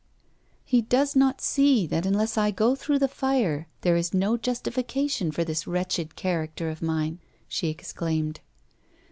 'He does not see that unless I go through the fire there is no justification for this wretched character of mine!' she exclaimed.